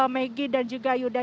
megi dan juga yuda